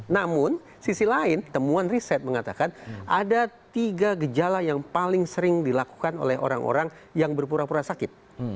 namun sisi lain temuan riset mengatakan ada tiga gejala yang paling sering dilakukan oleh orang orang yang berpura pura sakit